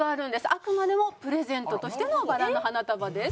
あくまでもプレゼントとしてのバラの花束です。